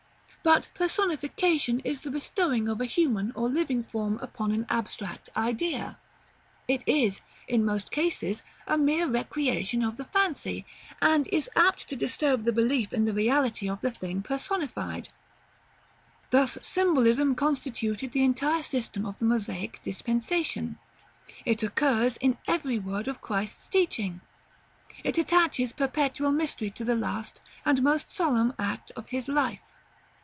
But Personification is the bestowing of a human or living form upon an abstract idea: it is, in most cases, a mere recreation of the fancy, and is apt to disturb the belief in the reality of the thing personified. Thus symbolism constituted the entire system of the Mosaic dispensation: it occurs in every word of Christ's teaching; it attaches perpetual mystery to the last and most solemn act of His life.